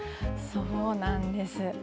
そうなんです。